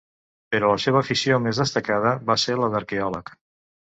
Però la seva afició més destacada va ser la d'arqueòleg.